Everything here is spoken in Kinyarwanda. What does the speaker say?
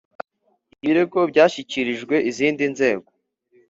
Ibirego byashyikirijwe izindi nzego